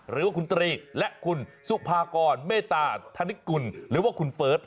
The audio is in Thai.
หรือว่าคุณตรีและคุณสุภากรเมตตาธนิกุลหรือว่าคุณเฟิร์ส